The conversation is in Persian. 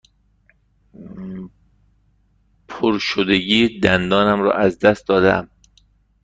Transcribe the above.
پرشدگی دندانم را از دست داده ام.